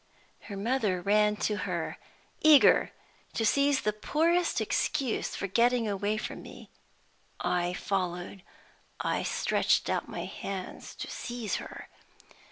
Her mother ran to her, eager to seize the poorest excuse for getting away from me. I followed; I stretched out my hands to seize her.